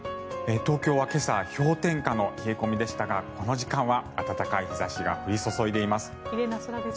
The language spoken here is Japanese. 東京は今朝氷点下の冷え込みでしたがこの時間は暖かい日差しが降り注いでいます。